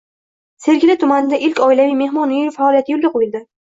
Cyergeli tumanida ilk oilaviy mehmon uyi faoliyati yo‘lga qo‘yildi